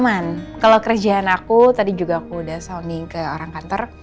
cuman kalau kerjaan aku tadi juga aku udah souning ke orang kantor